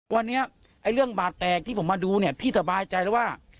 วันนี้เรื่องบาดแตกที่ผมมาดูเนี่ยพี่สบายใจแล้วว่า